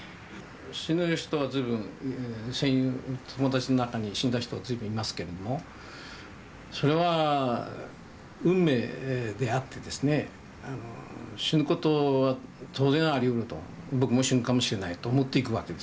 死ぬ人は随分戦友友達の中に死んだ人随分いますけれどもそれは運命であってですね死ぬことは当然ありうると僕も死ぬかもしれないと思って行くわけです。